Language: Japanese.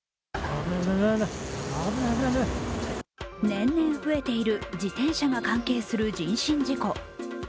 年々増えている自転車が関係する人身事故。